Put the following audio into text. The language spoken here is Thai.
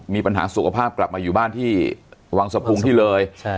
มีปัญหาสุขภาพกลับมาอยู่บ้านที่วังสะพุงที่เลย